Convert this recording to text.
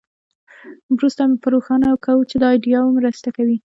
وروسته به روښانه کړو چې دا ایډیاوې مرسته کوي